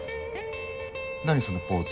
何そのポーズ